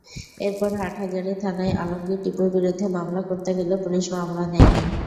এরপর হাটহাজারী থানায় আলমগীর টিপুর বিরুদ্ধে মামলা করতে গেলে পুলিশ মামলা নেয়নি।